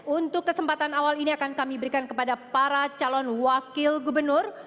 untuk kesempatan awal ini akan kami berikan kepada para calon wakil gubernur